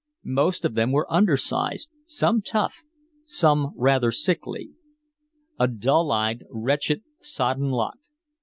Most of them were undersized, some tough, some rather sickly. A dull eyed, wretched, sodden lot.